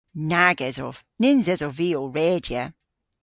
Nag esov. Nyns esov vy ow redya.